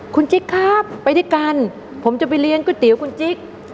คุณจิ๊กครับไปด้วยกันผมจะไปเลี้ยงก๋วยเตี๋ยวคุณจิ๊ก